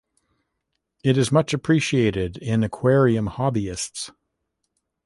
It is much appreciated in aquarium hobbyists.